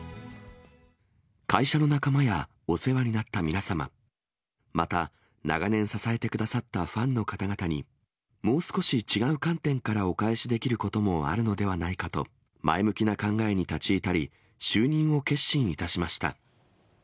会社の仲間や、お世話になった皆様、また長年支えてくださったファンの方々に、もう少し違う観点からお返しできることもあるのではないかと、前向きな考えに立ち至り、就任を決心いたしました。